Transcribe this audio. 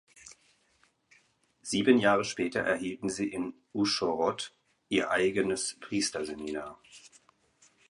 Sieben Jahre später erhielten sie in Uschhorod ihr eigenes Priesterseminar.